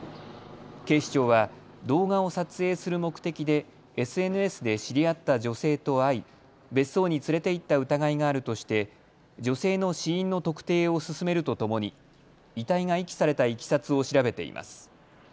警視庁は動画を撮影する目的でＳＮＳで知り合った女性と会い別荘に連れて行った疑いがあるとして女性の死因の特定を進めるとともに遺体が遺棄されたいきさつを調べています。